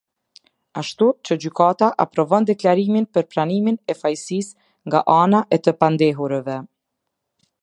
Ashtu që gjykata aprovon deklarimin për pranimin e fajësisë nga ana e të pandehurëve.